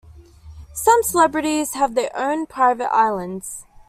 Some celebrities have their own private islands.